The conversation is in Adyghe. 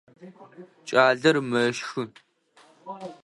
Кӏалэр мэщхы.